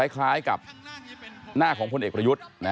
คล้ายกับหน้าของพลเอกประยุทธ์